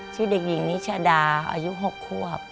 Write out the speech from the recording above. ชื่อเด็กหญิงนิชาดาอายุ๖ควบ